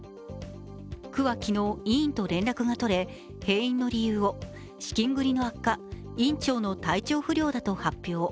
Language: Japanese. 区は昨日、医院と連絡が取れ閉院の理由を資金繰りの悪化院長の体調不良だと発表。